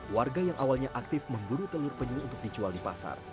warga yang awalnya aktif memburu telur penyu untuk dijual di pasar